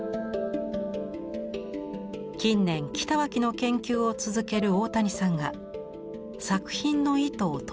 近年北脇の研究を続ける大谷さんが作品の意図を解き明かしました。